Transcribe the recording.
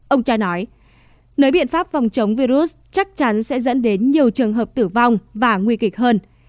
ông cha nói nếu biện pháp phòng chống virus chắc chắn sẽ dẫn đến nhiều trường hợp tử vong và nguy kịch hơn